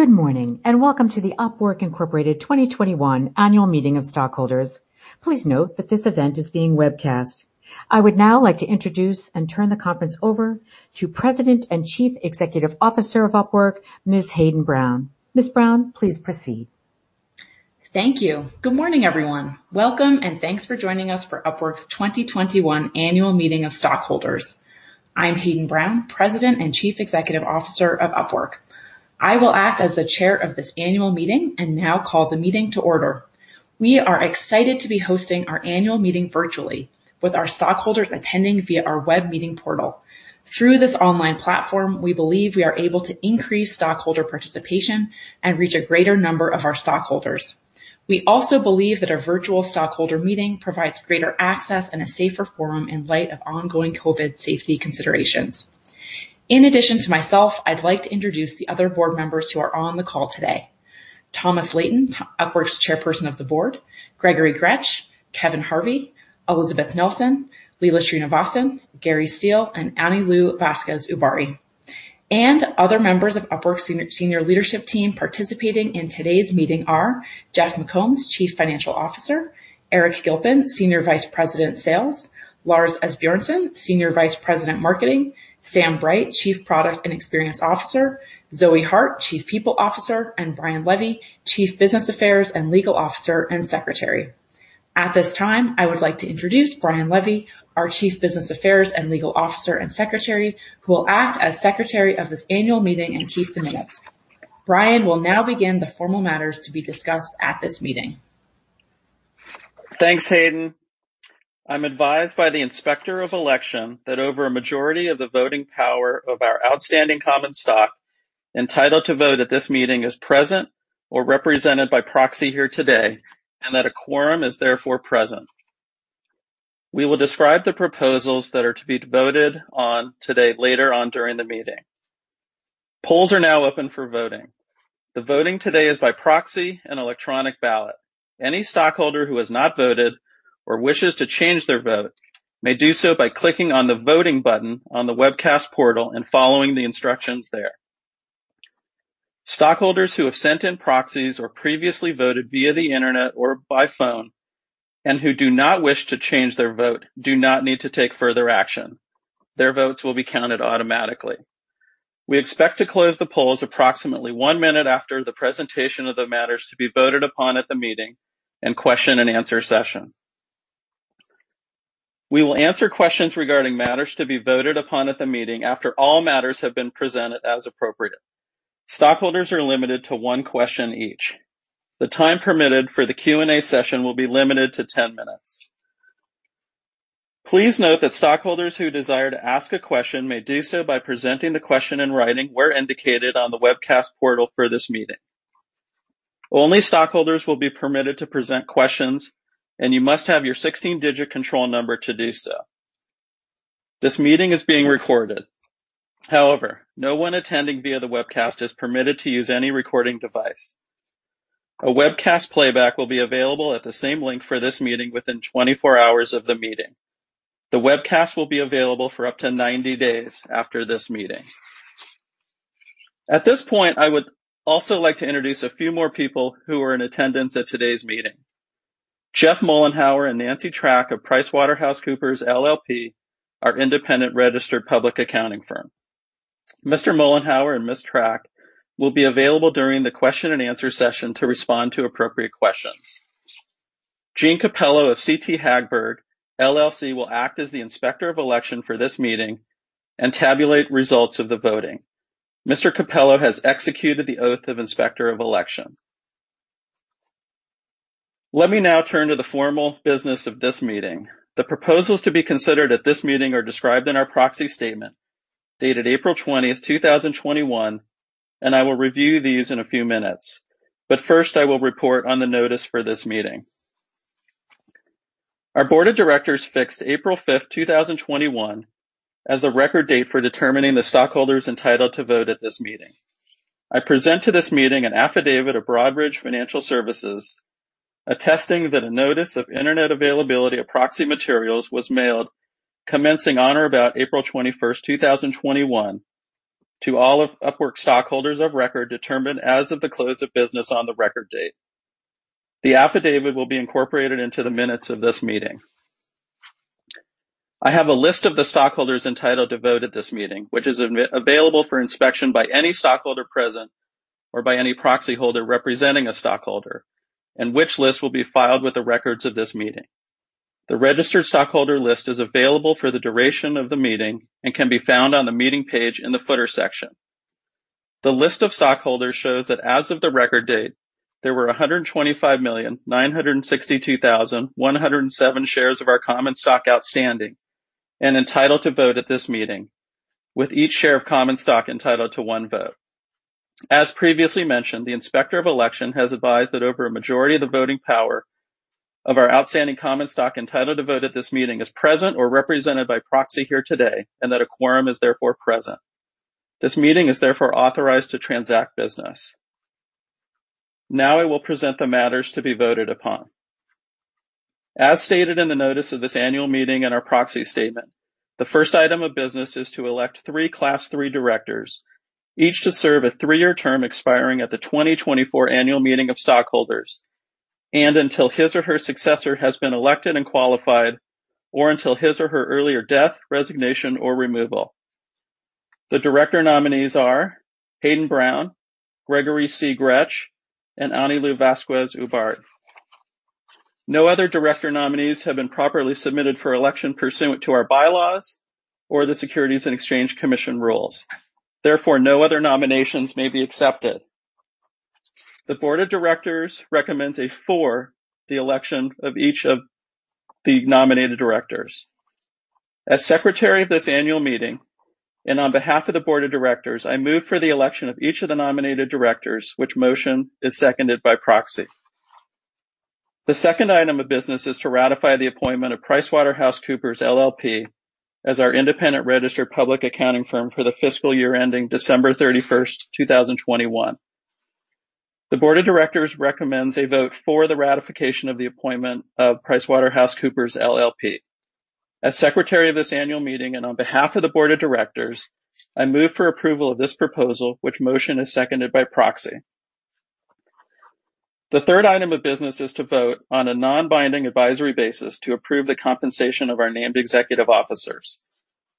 Good morning, welcome to the Upwork Inc. 2021 Annual Meeting of Stockholders. Please note that this event is being webcast. I would now like to introduce and turn the conference over to President and Chief Executive Officer of Upwork, Ms. Hayden Brown. Ms. Brown, please proceed. Thank you. Good morning, everyone. Welcome, and thanks for joining us for Upwork's 2021 Annual Meeting of Stockholders. I'm Hayden Brown, President and Chief Executive Officer of Upwork. I will act as the chair of this annual meeting and now call the meeting to order. We are excited to be hosting our annual meeting virtually with our stockholders attending via our web meeting portal. Through this online platform, we believe we are able to increase stockholder participation and reach a greater number of our stockholders. We also believe that a virtual stockholder meeting provides greater access and a safer forum in light of ongoing COVID safety considerations. In addition to myself, I'd like to introduce the other board members who are on the call today. Thomas Layton, Upwork's Chairperson of the Board, Gregory Gretsch, Kevin Harvey, Elizabeth Nelson, Leela Srinivasan, Gary Steele, and Anilu Vazquez-Ubarri. Other members of Upwork senior leadership team participating in today's meeting are Jeff McCombs, Chief Financial Officer, Eric Gilpin, Senior Vice President of Sales, Lars Asbjornsen, Senior Vice President of Marketing, Sam Bright, Chief Product and Experience Officer, Zoë Harte, Chief People Officer, and Brian Levey, Chief Business Affairs and Legal Officer and Secretary. At this time, I would like to introduce Brian Levey, our Chief Business Affairs and Legal Officer and Secretary, who will act as Secretary of this annual meeting and keep the minutes. Brian will now begin the formal matters to be discussed at this meeting. Thanks, Hayden. I'm advised by the Inspector of Election that over a majority of the voting power of our outstanding common stock entitled to vote at this meeting is present or represented by proxy here today, and that a quorum is therefore present. We will describe the proposals that are to be voted on today later on during the meeting. Polls are now open for voting. The voting today is by proxy and electronic ballot. Any stockholder who has not voted or wishes to change their vote may do so by clicking on the voting button on the webcast portal and following the instructions there. Stockholders who have sent in proxies or previously voted via the internet or by phone and who do not wish to change their vote do not need to take further action. Their votes will be counted automatically. We expect to close the polls approximately one minute after the presentation of the matters to be voted upon at the meeting and Q&A session. We will answer questions regarding matters to be voted upon at the meeting after all matters have been presented as appropriate. Stockholders are limited to one question each. The time permitted for the Q&A session will be limited to 10 minutes. Please note that stockholders who desire to ask a question may do so by presenting the question in writing where indicated on the webcast portal for this meeting. Only stockholders will be permitted to present questions, and you must have your 16-digit control number to do so. This meeting is being recorded. However, no one attending via the webcast is permitted to use any recording device. A webcast playback will be available at the same link for this meeting within 24 hours of the meeting. The webcast will be available for up to 90 days after this meeting. At this point, I would also like to introduce a few more people who are in attendance at today's meeting. Jeff Mollenhauer and Nancy Trac of PricewaterhouseCoopers LLP, our independent registered public accounting firm. Mr. Mollenhauer and Ms. Trac will be available during the Q&A session to respond to appropriate questions. Gene Capello of CT Hagberg LLC will act as the Inspector of Election for this meeting and tabulate results of the voting. Mr. Capello has executed the Oath of Inspector of Election. Let me now turn to the formal business of this meeting. The proposals to be considered at this meeting are described in our proxy statement, dated April 20th, 2021. I will review these in a few minutes. First, I will report on the notice for this meeting. Our Board of Directors fixed April 5th, 2021, as the record date for determining the stockholders entitled to vote at this meeting. I present to this meeting an affidavit of Broadridge Financial Solutions, attesting that a notice of internet availability of proxy materials was mailed commencing on or about April 21st, 2021, to all of Upwork stockholders of record determined as of the close of business on the record date. The affidavit will be incorporated into the minutes of this meeting. I have a list of the stockholders entitled to vote at this meeting, which is available for inspection by any stockholder present or by any proxyholder representing a stockholder, and which list will be filed with the records of this meeting. The registered stockholder list is available for the duration of the meeting and can be found on the meeting page in the footer section. The list of stockholders shows that as of the record date, there were 125,962,107 shares of our common stock outstanding and entitled to vote at this meeting, with each share of common stock entitled to one vote. As previously mentioned, the Inspector of Election has advised that over a majority of the voting power of our outstanding common stock entitled to vote at this meeting is present or represented by proxy here today, and that a quorum is therefore present. This meeting is therefore authorized to transact business. Now I will present the matters to be voted upon. As stated in the notice of this annual meeting and our proxy statement, the first item of business is to elect three Class III directors, each to serve a three-year term expiring at the 2024 annual meeting of stockholders, and until his or her successor has been elected and qualified, or until his or her earlier death, resignation, or removal. The director nominees are Hayden Brown, Gregory C. Gretsch, and Anilu Vazquez-Ubarri. No other director nominees have been properly submitted for election pursuant to our bylaws or the Securities and Exchange Commission rules. Therefore, no other nominations may be accepted. The Board of Directors recommends a for the election of each of the nominated directors. As secretary of this annual meeting and on behalf of the Board of Directors, I move for the election of each of the nominated directors, which motion is seconded by proxy. The second item of business is to ratify the appointment of PricewaterhouseCoopers LLP as our independent registered public accounting firm for the fiscal year ending December 31st, 2021. The Board of Directors recommends a vote for the ratification of the appointment of PricewaterhouseCoopers LLP. As secretary of this annual meeting and on behalf of the Board of Directors, I move for approval of this proposal, which motion is seconded by proxy. The third item of business is to vote on a non-binding advisory basis to approve the compensation of our named executive officers.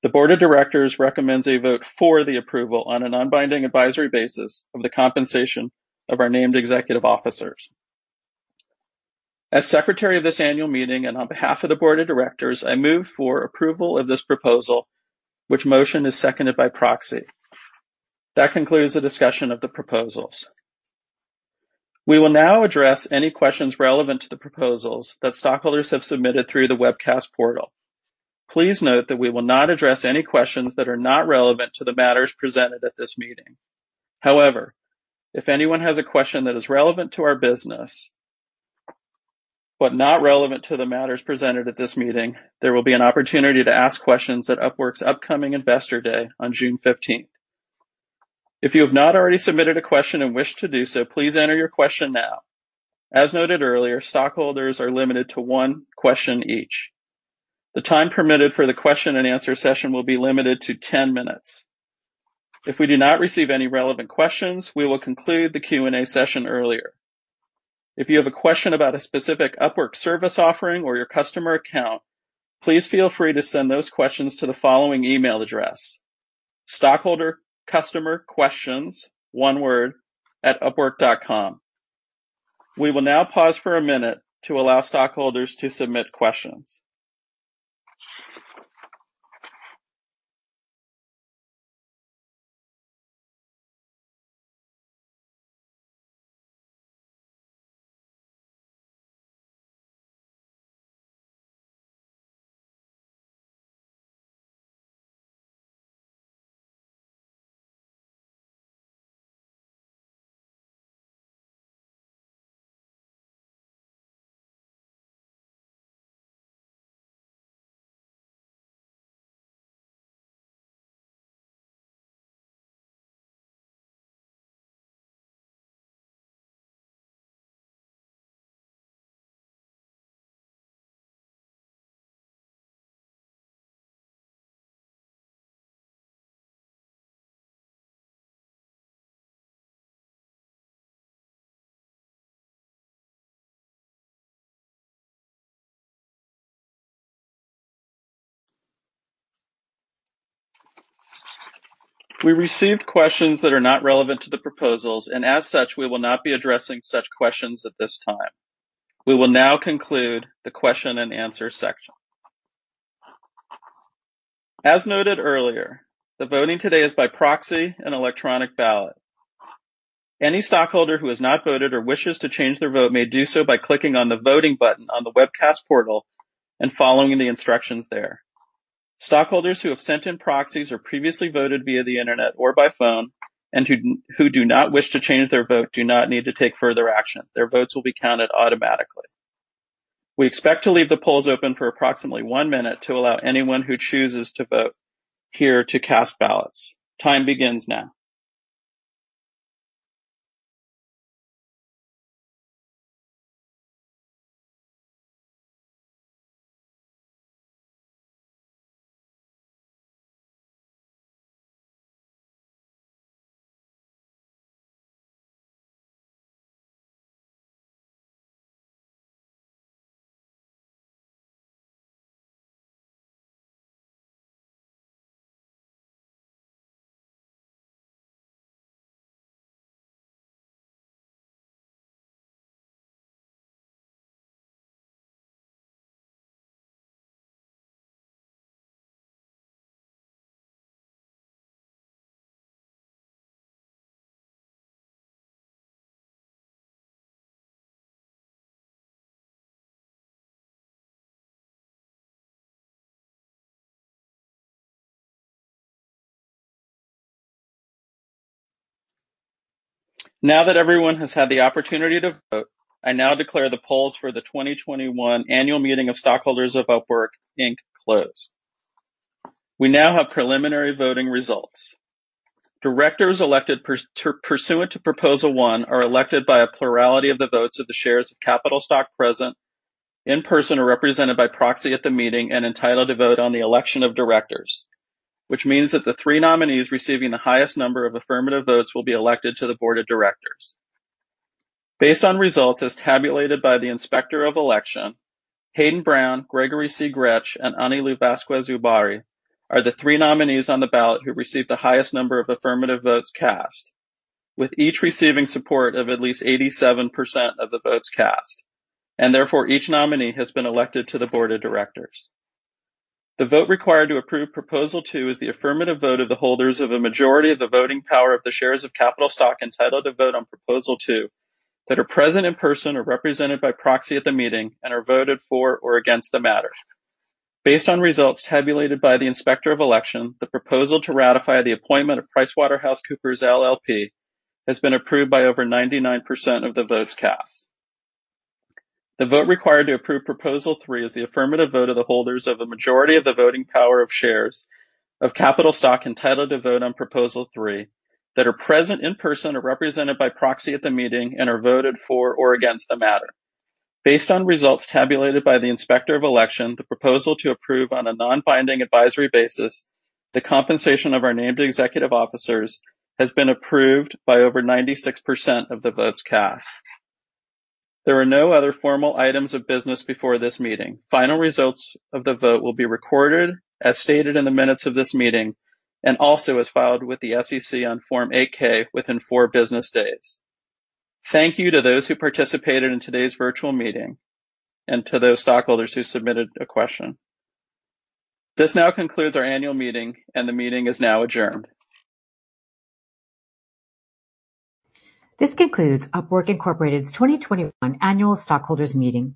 The Board of Directors recommends a vote for the approval on a non-binding advisory basis of the compensation of our named executive officers. As secretary of this annual meeting and on behalf of the Board of Directors, I move for approval of this proposal, which motion is seconded by proxy. That concludes the discussion of the proposals. We will now address any questions relevant to the proposals that stockholders have submitted through the webcast portal. Please note that we will not address any questions that are not relevant to the matters presented at this meeting. However, if anyone has a question that is relevant to our business, but not relevant to the matters presented at this meeting, there will be an opportunity to ask questions at Upwork's upcoming Investor Day on June 15th. If you have not already submitted a question and wish to do so, please enter your question now. As noted earlier, stockholders are limited to one question each. The time permitted for the Q&A session will be limited to 10 minutes. If we do not receive any relevant questions, we will conclude the Q&A session earlier. If you have a question about a specific Upwork service offering or your customer account, please feel free to send those questions to the following email address, stockholdercustomerquestions@upwork.com. We will now pause for a minute to allow stockholders to submit questions. We received questions that are not relevant to the proposals, and as such, we will not be addressing such questions at this time. We will now conclude the Q&A section. As noted earlier, the voting today is by proxy and electronic ballot. Any stockholder who has not voted or wishes to change their vote may do so by clicking on the voting button on the webcast portal and following the instructions there. Stockholders who have sent in proxies or previously voted via the internet or by phone and who do not wish to change their vote do not need to take further action. Their votes will be counted automatically. We expect to leave the polls open for approximately one minute to allow anyone who chooses to vote here to cast ballots. Time begins now. Now that everyone has had the opportunity to vote, I now declare the polls for the 2021 annual meeting of stockholders of Upwork Inc. closed. We now have preliminary voting results. Directors elected pursuant to Proposal One are elected by a plurality of the votes of the shares of capital stock present in person or represented by proxy at the meeting and entitled to vote on the election of directors. Which means that the three nominees receiving the highest number of affirmative votes will be elected to the Board of Directors. Based on results as tabulated by the Inspector of Election, Hayden Brown, Gregory C. Gretsch, and Anilu Vazquez-Ubarri are the three nominees on the ballot who received the highest number of affirmative votes cast, with each receiving support of at least 87% of the votes cast, and therefore each nominee has been elected to the Board of Directors. The vote required to approve Proposal Two is the affirmative vote of the holders of a majority of the voting power of the shares of capital stock entitled to vote on Proposal Two that are present in person or represented by proxy at the meeting and are voted for or against the matter. Based on results tabulated by the Inspector of Election, the proposal to ratify the appointment of PricewaterhouseCoopers LLP has been approved by over 99% of the votes cast. The vote required to approve Proposal Three is the affirmative vote of the holders of a majority of the voting power of shares of capital stock entitled to vote on Proposal Three that are present in person or represented by proxy at the meeting and are voted for or against the matter. Based on results tabulated by the Inspector of Election, the proposal to approve on a non-binding advisory basis the compensation of our named executive officers has been approved by over 96% of the votes cast. There are no other formal items of business before this meeting. Final results of the vote will be recorded as stated in the minutes of this meeting and also as filed with the SEC on Form 8-K within four business days. Thank you to those who participated in today's virtual meeting and to those stockholders who submitted a question. This now concludes our annual meeting and the meeting is now adjourned. This concludes Upwork Incorporated's 2021 annual stockholders meeting.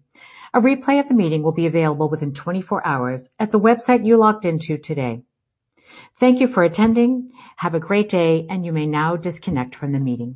A replay of the meeting will be available within 24 hours at the website you logged into today. Thank you for attending. Have a great day and you may now disconnect from the meeting.